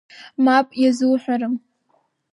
Мап, иазуҳәарым…